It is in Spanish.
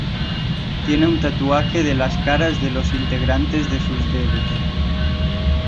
Tiene un tatuaje de las caras de los integrantes en sus dedos.